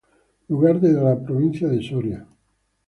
Lugar de la provincia de Soria.